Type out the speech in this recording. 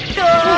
aduh hampir jatuh